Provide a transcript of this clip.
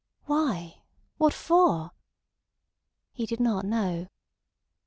Why—what for? He did not know.